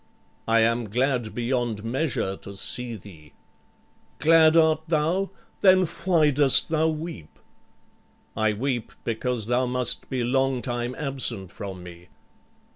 "I am glad beyond measure to see thee." "Glad art thou? Then why dost thou weep?" "I weep because thou must be long time absent from me."